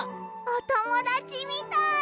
おともだちみたい！